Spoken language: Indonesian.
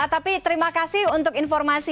tapi terima kasih untuk informasi